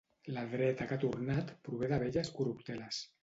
la dreta que ha tornat prové de velles corrupteles